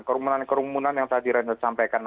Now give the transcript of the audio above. kerumunan kerumunan yang tadi reinhardt sampaikan